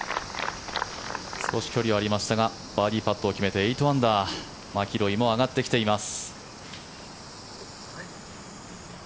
少し距離はありましたがバーディーパットを決めて８アンダーマキロイも上がってきています。